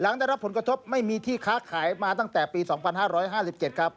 ได้รับผลกระทบไม่มีที่ค้าขายมาตั้งแต่ปี๒๕๕๗ครับ